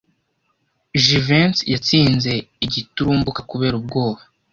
Jivency yatsinze giturumbuka kubera ubwoba.